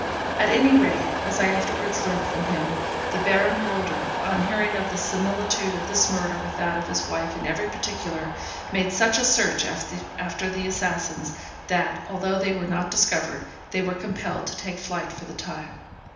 At any rate, as I afterwards learnt from him, the Baron Roeder, on hearing of the similitude of this murder with that of his wife in every particular, made such a search after the assassins, that, although they were not discovered, they were compelled to take to flight for the time.